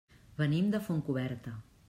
Venim de Fontcoberta.